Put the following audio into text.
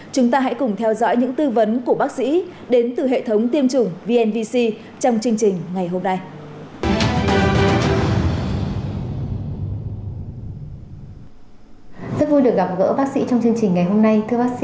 chúng ta hãy cùng theo dõi những tư vấn của bác sĩ đến từ hệ thống tiêm chủng vnvc trong chương trình ngày hôm nay